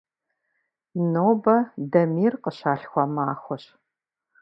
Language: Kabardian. Нобэ Дамир къыщалъхуа махуэщ.